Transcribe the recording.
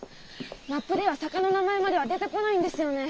マップでは坂の名前までは出てこないんですよね。